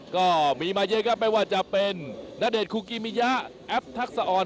ก็มีมาเยอะครับไม่ว่าจะเป็นณเดชนคุกิมิยะแอปทักษะอ่อน